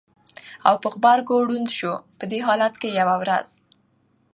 او په غبرګو ړوند شو! په دې حالت کې یوه ورځ